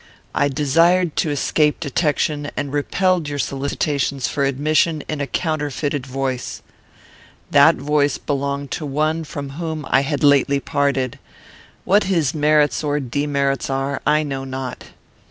I desired to escape detection, and repelled your solicitations for admission in a counterfeited voice. "That voice belonged to one from whom I had lately parted. What his merits or demerits are, I know not.